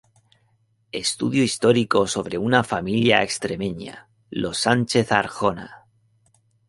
Estudio histórico sobre una familia extremeña, los Sánchez Arjona.